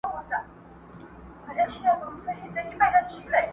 نه دي زور نه دي دولت سي خلاصولای،